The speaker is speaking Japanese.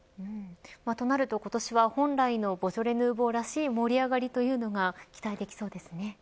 となると今年は、本来のボジョレ・ヌーボーらしい盛り上がりというのが期待できそうですね。